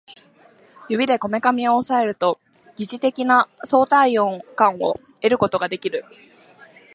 指でこめかみを抑えると疑似的な相対音感を得ることができる